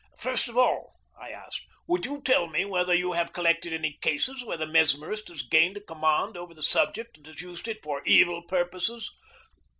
"First of all," I asked, "would you tell me whether you have collected any cases where the mesmerist has gained a command over the subject and has used it for evil purposes?"